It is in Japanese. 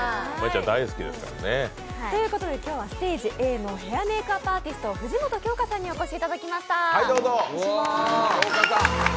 今日はｓｔａｇｅＡのヘアメイクアップアーティストの藤本京香さんにお越しいただきました。